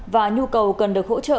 và nhu cầu cần được hỗ trợ